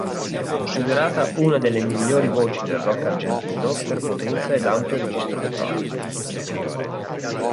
Considerata una delle migliori voci del rock argentino per potenza ed ampio registro vocale.